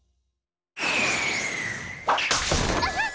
あっ！